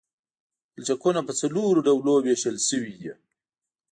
پلچکونه په څلورو ډولونو ویشل شوي دي